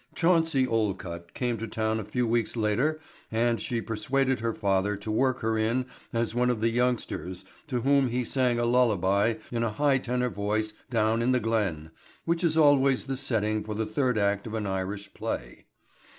Chauncey Olcott came to town a few weeks later and she persuaded father to work her in as one of the youngsters to whom he sang a lullaby in a high tenor voice down in the "glen" which is always the setting for the third act of an Irish play.